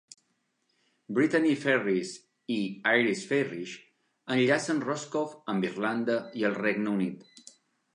Brittany Ferries i Irish Ferries enllacen Roscoff amb Irlanda i el Regne Unit.